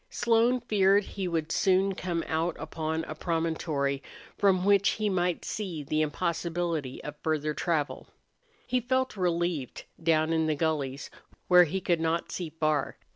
Slone feared he would soon come out upon a promontory from which he might see the impossibility of further travel. He felt relieved down in the gullies, where he could not see far.